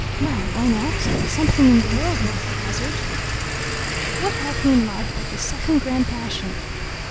Well, why not? Something in the world worth a hazard. What had he in life but this second grand passion?